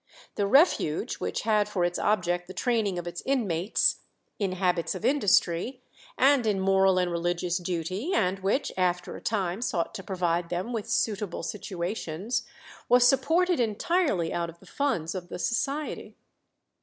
The refuge, which had for its object the training of its inmates in habits of industry, and in moral and religious duty, and which after a time sought to provide them with suitable situations, was supported entirely out of the funds of the Society.